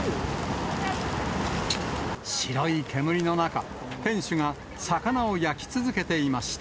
白い煙の中、店主が魚を焼き続けていました。